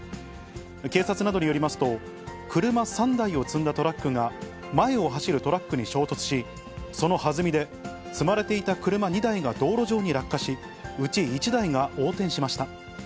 警察などによりますと、車３台を積んだトラックが、前を走るトラックに衝突し、その弾みで積まれていた車２台が道路上に落下し、うち１台が横転しました。